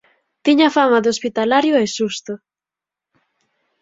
Tiña fama de hospitalario e xusto.